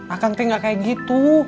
aku gak kayak gitu